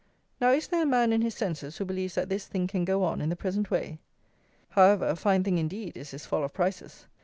Now, is there a man in his senses who believes that this THING can go on in the present way? However, a fine thing, indeed, is this fall of prices!